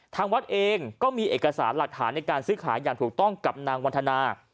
ทางวัดเองก็มีเอกสารหลักฐานในการซื้อขายอย่างถูกต้องกับนางวันธนา